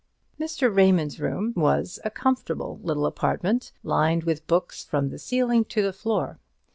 Mr. Raymond's room was a comfortable little apartment, lined with books from the ceiling to the floor.